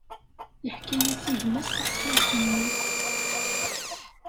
Yeḥka-as i gma-s taḥkayt-nni.